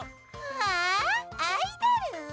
わあアイドル！